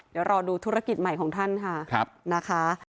เดี๋ยวรอดูธุรกิจใหม่ของท่านค่ะนะคะ